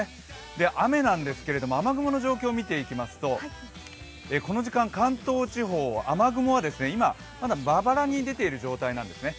雨なんですが、雨雲の状況を見ていきますとこの時間、関東地方、雨雲は今、まだまばらに出ている状況なんですね。